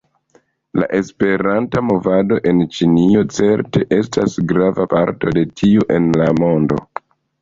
La Esperanta movado en Ĉinio certe estas grava parto de tiu en la mondo.